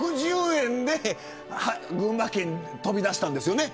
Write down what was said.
１６０円で群馬県を飛び出したんですよね。